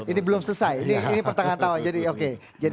ini belum selesai ini pertengahan tahun jadi oke